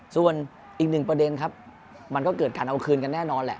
ส่วนอีกหนึ่งประเด็นครับมันก็เกิดการเอาคืนกันแน่นอนแหละ